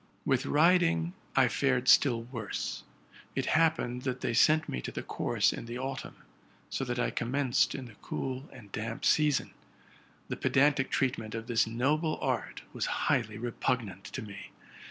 With riding [ fared still worse. It happened that they sent me to the course in the autumn, so that I commenced in the cool and damp season. The pedantic treatment of this noble art was highly repugnant to me.